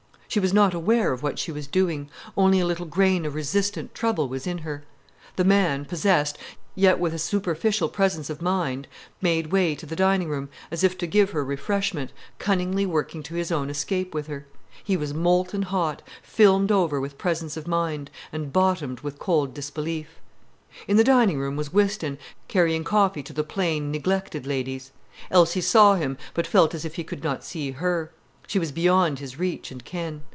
She was not aware of what she was doing, only a little grain of resistant trouble was in her. The man, possessed, yet with a superficial presence of mind, made way to the dining room, as if to give her refreshment, cunningly working to his own escape with her. He was molten hot, filmed over with presence of mind, and bottomed with cold disbelief. In the dining room was Whiston, carrying coffee to the plain, neglected ladies. Elsie saw him, but felt as if he could not see her. She was beyond his reach and ken.